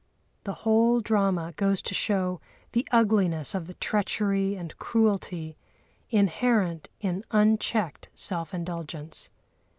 The whole drama goes to show the ugliness of the treachery and cruelty inherent in unchecked self indulgence.